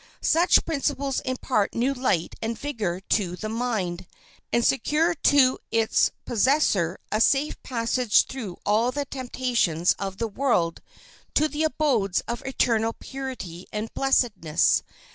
Such principles impart new light and vigor to the mind, and secure to its possessor a safe passage through all the temptations of the world to the abodes of eternal purity and blessedness.